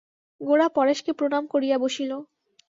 গোরা পরেশকে প্রণাম করিয়া বসিল।